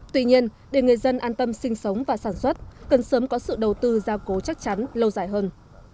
tuy nhiên để người dân an tâm sinh sống và sản xuất cần sớm có sự đầu tư gia cố chắc chắn lâu dài hơn